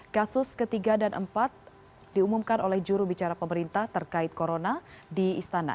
kasus ke tiga dan ke empat diumumkan oleh juru bicara pemerintah terkait corona di istana